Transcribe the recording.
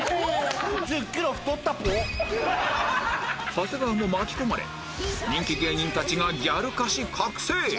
長谷川も巻き込まれ人気芸人たちがギャル化し覚醒